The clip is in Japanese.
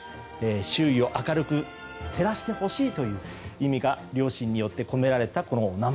周囲を明るく照らしてほしいという意味が両親に込められた名前。